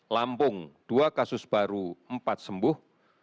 lampung dua kasus baru empat sembuh